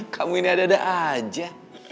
kamu ini ada dada aja